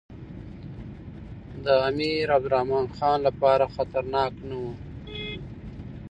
د امیر عبدالرحمن خان لپاره خطرناک نه وو.